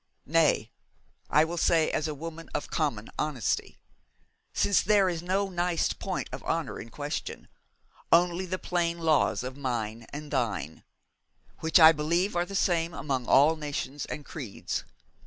Nay, I will say as a woman of common honesty; since there is no nice point of honour in question, only the plain laws of mine and thine, which I believe are the same among all nations and creeds.